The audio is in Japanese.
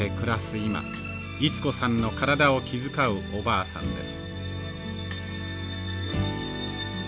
今溢子さんの体を気遣うおばあさんです。